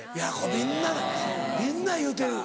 みんなみんな言うてる。